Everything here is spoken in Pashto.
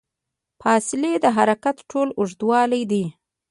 فاصلې د حرکت ټول اوږدوالی دی.